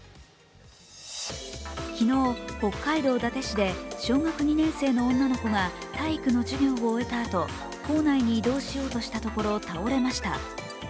昨日、北海道伊達市で小学２年生の女の子が体育の授業を終えたあと校内に移動しようとしたところ倒れました。